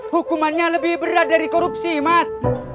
hukumannya lebih berat dari korupsi mat